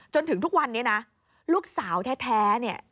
จนถึงทุกวันนี้นะลูกสาวแท้เนี่ย